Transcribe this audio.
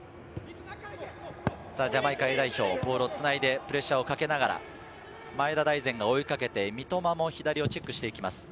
ジャマイカＡ代表、ボールをつないでプレッシャーをかけながら、前田大然が追いかけて三笘も左をチェックしていきます。